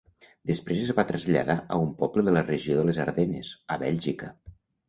Després es va traslladar a un poble de la regió de les Ardenes, a Bèlgica.